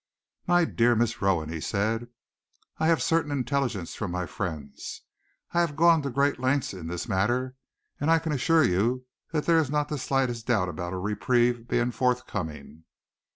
"My dear Miss Rowan," he said, "I have certain intelligence from my friends. I have gone to great lengths in this matter, and I can assure you that there is not the slightest doubt about a reprieve being forthcoming."